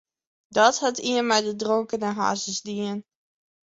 Dat hat ien mei de dronkene harsens dien.